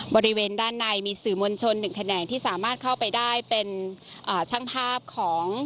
บริเวณด้านในมีสื่อมวลชนหนึ่งแขนงที่สามารถเข้าไปได้เป็นช่างภาพของ